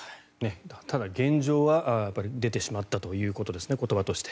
ただ、現状は言葉として出てしまったということですね。